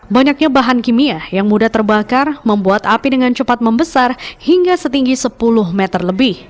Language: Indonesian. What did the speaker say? banyaknya bahan kimia yang mudah terbakar membuat api dengan cepat membesar hingga setinggi sepuluh meter lebih